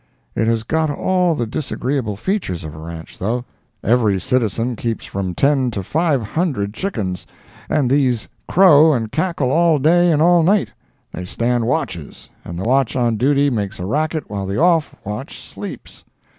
It has got all the disagreeable features of a ranch, though. Every citizen keeps from ten to five hundred chickens, and these crow and cackle all day and all night; they stand watches, and the watch on duty makes a racket while the off watch sleeps.